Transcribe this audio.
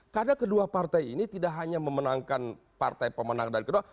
karena kedua partai ini tidak hanya memenangkan partai pemenang dan kedua